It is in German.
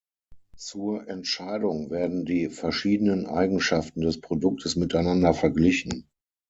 Zur Entscheidung werden die verschiedenen Eigenschaften des Produktes miteinander verglichen.